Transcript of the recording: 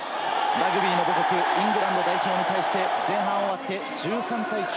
ラグビーの母国・イングランド代表に対して前半を終わって１３対９。